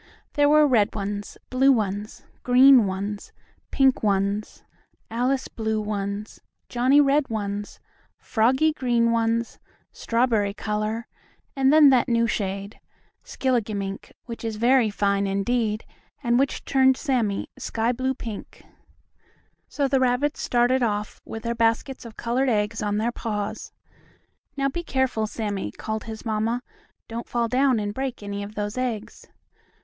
There were red ones, blue ones, green ones, pink ones, Alice blue ones, Johnnie red ones, Froggie green ones, strawberry color, and then that new shade, skilligimink, which is very fine indeed, and which turned Sammie sky blue pink. So the rabbits started off with their baskets of colored eggs on their paws. "Now, be careful, Sammie," called his mamma. "Don't fall down and break any of those eggs."